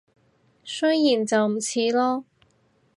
雖然就唔似囉